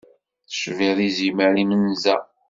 Tecbiḍ izimer imenza.